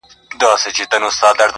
او تصوراتي ذهني چاپیریال کې ویل کیږي